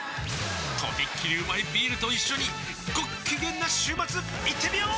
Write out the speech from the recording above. とびっきりうまいビールと一緒にごっきげんな週末いってみよー！